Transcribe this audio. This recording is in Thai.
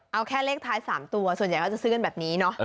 เอาแค่เลขท้าย๓ตัวส่วนใหญ่ก็จะซื้อกันแบบนี้เนาะ